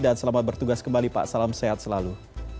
dan selamat bertugas kembali pak salam sehat selalu